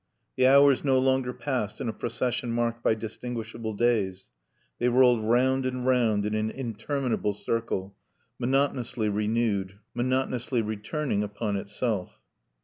The hours no longer passed in a procession marked by distinguishable days. They rolled round and round in an interminable circle, monotonously renewed, monotonously returning upon itself.